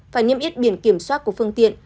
phải nghiêm yết biển kiểm soát của phương tiện